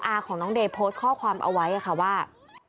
อาของน้องเดย์โพสต์ข้อความเอาไว้ค่ะว่า